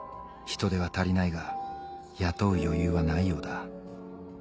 人手は足りないが雇う余裕はないようだ。